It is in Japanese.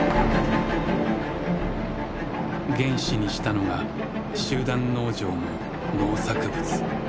原資にしたのが集団農場の農作物。